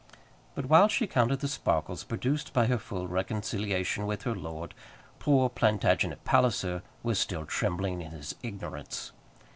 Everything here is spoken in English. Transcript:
But while she counted the sparkles produced by her full reconciliation with her lord, poor Plantagenet Palliser was still trembling in his ignorance.